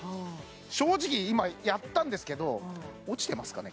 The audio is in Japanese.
正直今やったんですけど落ちてますかね？